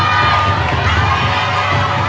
สวัสดีค่ะ